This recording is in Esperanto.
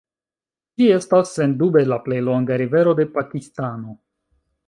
Ĝi estas sendube la plej longa rivero de Pakistano.